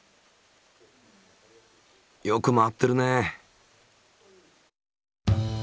よく回ってるね。